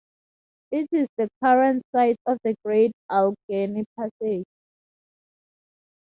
It is the current site of the Great Allegheny Passage.